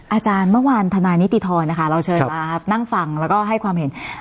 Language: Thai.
อาจารย์เมื่อวานทนายนิติธรนะคะเราเชิญมานั่งฟังแล้วก็ให้ความเห็น